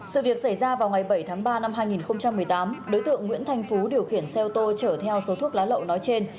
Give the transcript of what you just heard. sự việc xảy ra vào ngày bảy tháng ba năm hai nghìn một mươi tám đối tượng nguyễn thành phú điều khiển xe ô tô chở theo số thuốc lá lậu nói trên